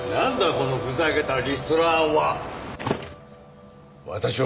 このふざけたリストラ案は！